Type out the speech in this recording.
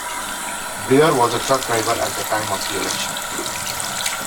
Brewer was a truck driver at the time of the election.